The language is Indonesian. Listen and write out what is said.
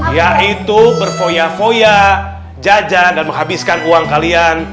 yaitu berfoya foya jajan dan menghabiskan uang kalian